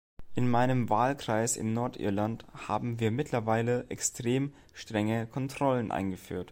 In meinem Wahlkreis in Nordirland haben wir mittlerweile extrem strenge Kontrollen eingeführt.